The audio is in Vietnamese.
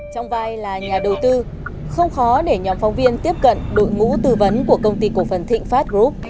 trong vai là nhà đầu tư không khó để nhóm phóng viên tiếp cận đội ngũ tư vấn của công ty cổ phần thịnh pháp group